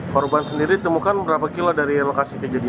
korban sendiri ditemukan berapa kilo dari lokasi kejadian